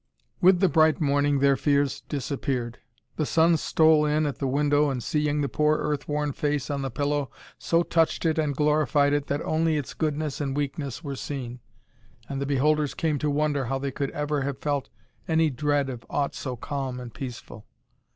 With the bright morning their fears disappeared. The sun stole in at the window, and seeing the poor earth worn face on the pillow so touched it and glorified it that only its goodness and weakness were seen, and the beholders came to wonder how they could ever have felt any dread of aught so calm and peaceful.